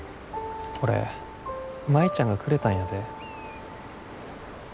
これ舞ちゃんがくれたんやで。